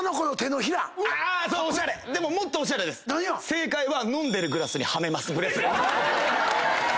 正解は飲んでるグラスにはめます。